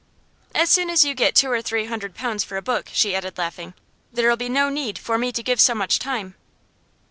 'As soon as you get two or three hundred pounds for a book,' she added, laughing, 'there'll be no need for me to give so much time.